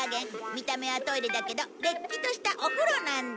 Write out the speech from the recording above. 見た目はトイレだけどれっきとしたお風呂なんだ。